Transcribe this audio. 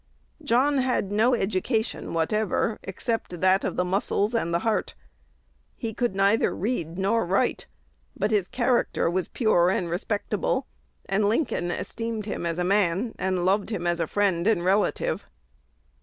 John had no education whatever, except that of the muscles and the heart. He could neither read nor write; but his character was pure and respectable, and Lincoln esteemed him as a man, and loved him as a friend and relative.